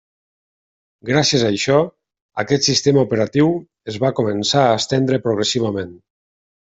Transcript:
Gràcies a això, aquest sistema operatiu es va començar a estendre progressivament.